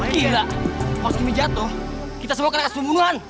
gila kalo segini jatuh kita semua kena kasih pembunuhan